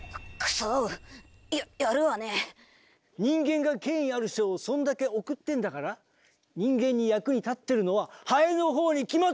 人間が権威ある賞をそんだけ贈ってんだから人間に役に立ってるのはハエのほうに決まってんだろ！